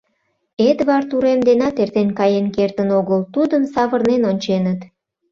Эдвард урем денат эртен каен кертын огыл, тудым савырнен онченыт.